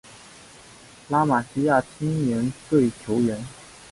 拉玛西亚青年队球员